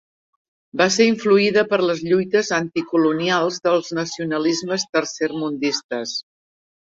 Va ser influïda per les lluites anticolonials dels nacionalismes tercermundistes.